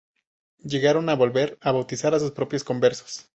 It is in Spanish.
Llegaron a volver a bautizar a sus propios conversos.